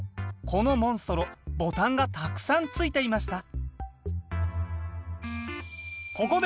このモンストロボタンがたくさんついていました